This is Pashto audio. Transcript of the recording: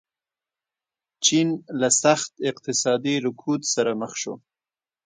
چین له سخت اقتصادي رکود سره مخ شو.